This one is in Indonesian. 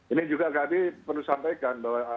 ini juga kami perlu sampaikan bahwa